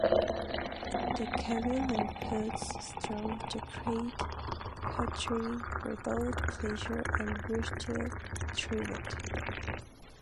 The Cavalier Poets strove to create poetry where both pleasure and virtue thrived.